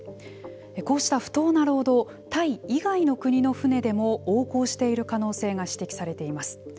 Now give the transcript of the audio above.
こうした不当な労働タイ以外の国の船でも横行している可能性が指摘されています。